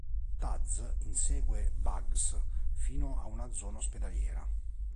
Taz insegue Bugs fino a una zona ospedaliera.